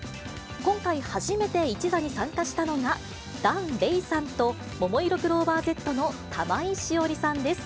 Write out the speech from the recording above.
今回、初めて一座に参加したのが、檀れいさんと、ももいろクローバーＺの玉井詩織さんです。